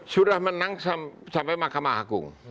sudah menang sampai mahkamah agung